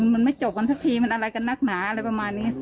มันไม่จบกันสักทีมันอะไรกันนักหนาอะไรประมาณนี้